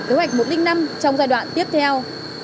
kế hoạch một trăm linh năm trong giai đoạn tiếp theo